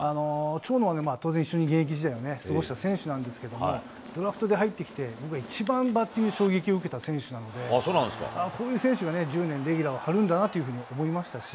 長野は、当然一緒に現役時代を過ごした選手なんですけれども、ドラフトで入ってきた、僕が一番バッティング、衝撃を受けた選手なので、こういう選手が１０年レギュラーを張るんだなと思いましたし。